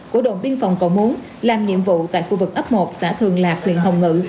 của đồn biên phòng cầu muốn làm nhiệm vụ tại khu vực ấp một xã thường lạc huyện hồng ngự